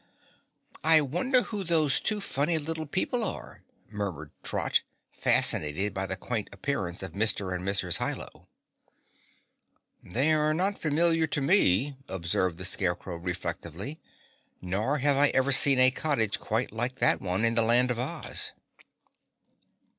"I wonder who those two funny little people are?" murmured Trot, fascinated by the quaint appearance of Mr. and Mrs. Hi Lo. "They are not familiar to me," observed the Scarecrow reflectively, "nor have I ever seen a cottage quite like that one in the Land of Oz."